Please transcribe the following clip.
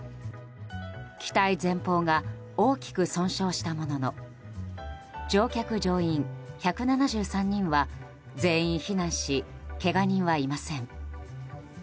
機体前方が大きく損傷したものの乗客・乗員１７３人は全員避難しけが人はいません。